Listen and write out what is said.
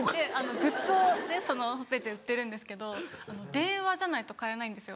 グッズをそのホームページで売ってるんですけど電話じゃないと買えないんですよ